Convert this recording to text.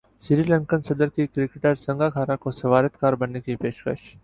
سری لنکن صدر کی کرکٹر سنگاکارا کو سفارتکار بننے کی پیشکش